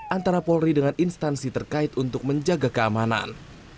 antara polri dengan instansi terkait untuk menjaga keamanan